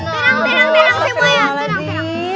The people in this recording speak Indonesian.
terang terang terang semuanya